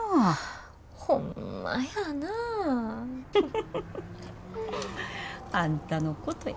ホンマやな。あんたのことや。